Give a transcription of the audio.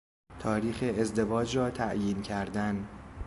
تاریخ ازدواج را تعیین کردن